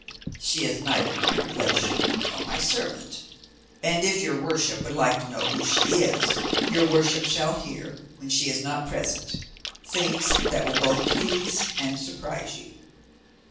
"She is neither my relation nor my servant; and if your worship would like to know who she is, your worship shall hear, when she is not present, things that will both please and surprise you."